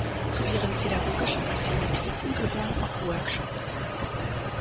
Zu ihren pädagogischen Aktivitäten gehören auch Workshops.